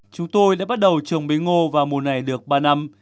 chúng tôi đã bắt đầu trồng bí ngô vào mùa này được ba năm